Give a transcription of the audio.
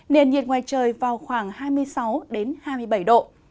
nền nhiệt ngoài trời vào khoảng hai mươi sáu hai mươi bảy độ